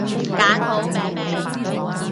揀好名未？